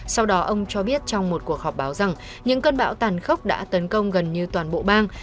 sau đó ông cho biết trong một cuộc họp báo rằng những cơn bão tàn khốc đã tấn công gần như toàn bộ bang